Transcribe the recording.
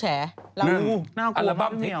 จากกระแสของละครกรุเปสันนิวาสนะฮะ